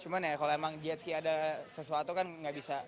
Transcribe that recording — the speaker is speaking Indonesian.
cuman ya kalau emang jetski ada sesuatu kan nggak bisa